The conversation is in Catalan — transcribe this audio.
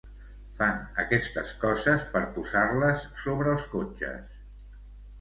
Fan aquestes coses per posar-les sobre els cotxes.